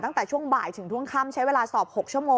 ตั้งแต่ช่วงบ่ายถึงทุนค่ำใช้เวลาสอบ๖ชม